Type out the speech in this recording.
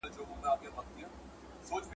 ویل پیره دا خرقه دي راکړه ماته `